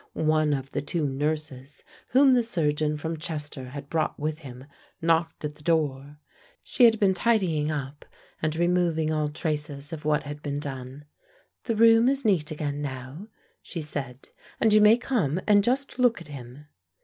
One of the two nurses whom the surgeon from Chester had brought with him knocked at the door. She had been tidying up, and removing all traces of what had been done. "The room is neat again now," she said, "and you may come and just look at him."